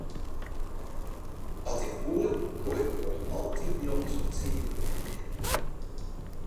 At ik woe koe ik wol altyd njoggens of tsienen helje.